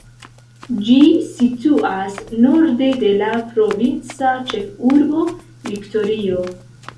Ĝi situas norde de la provinca ĉefurbo Viktorio.